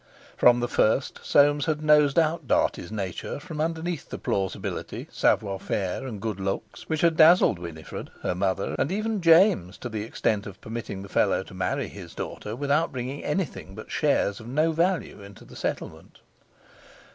From the first Soames had nosed out Dartie's nature from underneath the plausibility, savoir faire, and good looks which had dazzled Winifred, her mother, and even James, to the extent of permitting the fellow to marry his daughter without bringing anything but shares of no value into settlement.